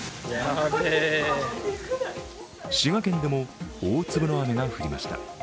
滋賀県でも大粒の雨が降りました。